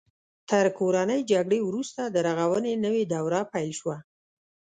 تر کورنۍ جګړې وروسته د رغونې نوې دوره پیل شوه.